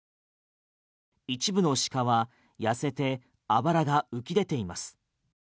一部の鹿は痩せてあばらが浮き出ています。